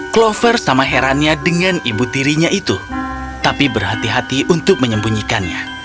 clover sama herannya dengan ibu tirinya itu tapi berhati hati untuk menyembunyikannya